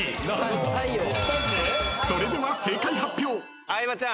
［それでは正解発表］